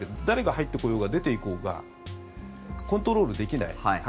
誰が入ってこようが出てこようがコントロールできない。